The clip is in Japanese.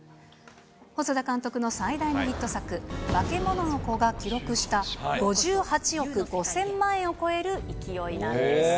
細田監督の最大のヒット作、バケモノの子が記録した５８億５０００万円を超える勢いなんです。